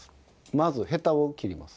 まずヘタを切ります。